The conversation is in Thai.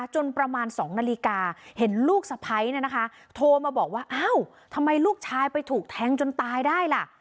จนประมาณ๒นาฬิกาเห็นลูกสะพ้ายโทรมาบอกว่าอ้าวทำไมลูกชายไปถูกแทงจนตายได้ล่ะ